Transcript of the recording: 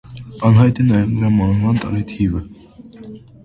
Անհայտ է նաև նրա մահվան տարեթիվը։